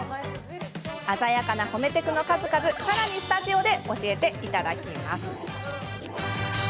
鮮やかな褒めテクの数々、さらにスタジオで教えてもらいます。